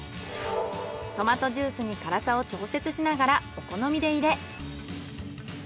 トマトジュースに辛さを調節しながらお好みで入れ。